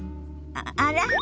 あら？